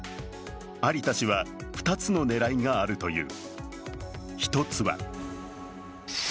有田氏は２つの狙いがあるという。